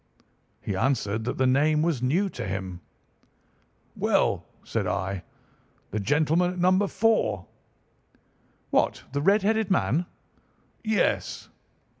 He answered that the name was new to him. "'Well,' said I, 'the gentleman at No. 4.' "'What, the red headed man?' "'Yes.